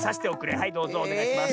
はいどうぞおねがいします。